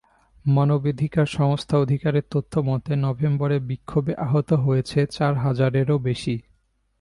মানবাধিকার সংস্থা অধিকারের তথ্যমতে, নভেম্বরে বিক্ষোভে আহত হয়েছে চার হাজারেরও বেশি।